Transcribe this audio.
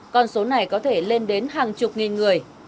con số này có thể lên đến hàng chục nghìn người